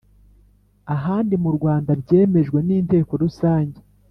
ahandi mu Rwanda byemejwe n Inteko rusange